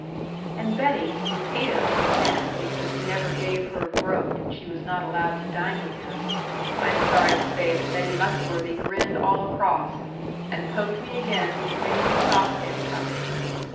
And Betty, who hated Uncle Ben, because he never gave her a groat, and she was not allowed to dine with him, I am sorry to say that Betty Muxworthy grinned all across, and poked me again with the greasy saucepan cover.